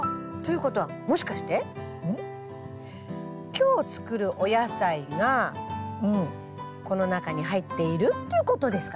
今日作るお野菜がこの中に入っているっていうことですかね？